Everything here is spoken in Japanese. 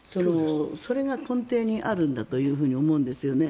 それが根底にあるんだと思うんですよね。